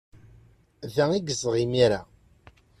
Da ay yezdeɣ imir-a.